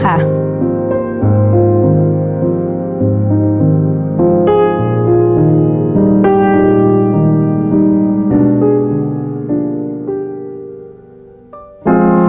กลับบ้านกัน